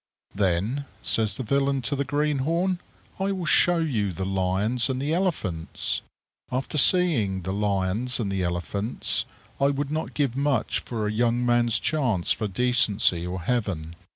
"Then," says the villain to the greenhorn, "I will show you the lions and the elephants." After seeing the lions and the elephants, I would not give much for a young man's chance for decency or heaven.